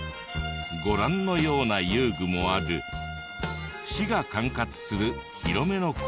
ご覧のような遊具もある市が管轄する広めの公園で。